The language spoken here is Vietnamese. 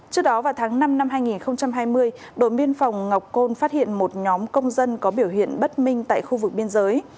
trước đó vào tháng năm năm hai nghìn hai mươi đội biên phòng ngọc côn phát hiện một nhóm công dân có biểu hiện bất minh tại khu vực biên giới